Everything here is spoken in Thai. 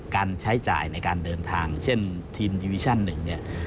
การใช้จ่ายในการเดินทางเช่นทีมดิวิชั่นหนึ่งเนี่ย